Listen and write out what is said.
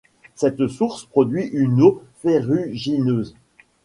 Cette source produit une eau ferrugineuse.